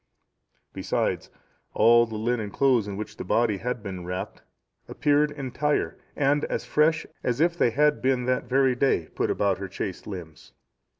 Besides, all the linen clothes in which the body had been wrapped, appeared entire and as fresh as if they had been that very day put about her chaste limbs."